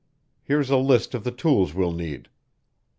Here's a list of the tools we'll need."